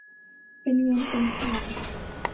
เป็นเงินเป็นทอง